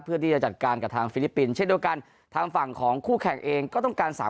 เพื่อที่จะจัดการกับทางฟิลิปปินส์เช่นเดียวกันทางฝั่งของคู่แข่งเองก็ต้องการสาม